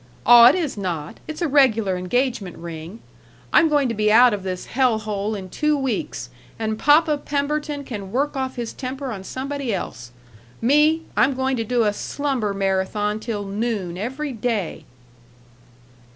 Aw, it is not; it's a regular engagement ring. I'm going to be out of this hell hole in two weeks, and Papa Pemberton can work off his temper on somebody else. Me, I'm going to do a slumber marathon till noon every day."